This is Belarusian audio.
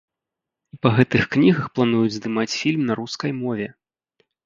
І па гэтых кнігах плануюць здымаць фільм на рускай мове!